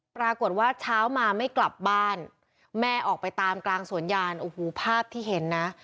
ปรากฏว่าเช้ามาไม่กลับบ้านแม่ออกไปตามกลางสวนยานโอ้โหภาพที่เห็นนะ